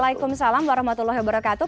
waalaikumsalam warahmatullahi wabarakatuh